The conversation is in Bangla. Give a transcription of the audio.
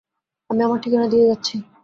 আমি আমার ঠিকানা দিয়ে যাচ্ছি।